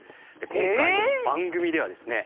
今回番組ではですね